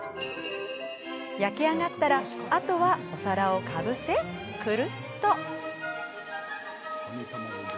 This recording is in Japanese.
焼き上がったらあとはお皿をかぶせくるっと。